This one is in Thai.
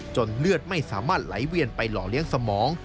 เลือดไม่สามารถไหลเวียนไปหล่อเลี้ยงสมอง